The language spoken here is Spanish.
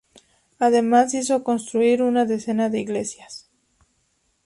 Además, hizo construir una decena de iglesias.